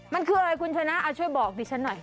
มันคืออะไรคุณชนะเอาช่วยบอกดิฉันหน่อย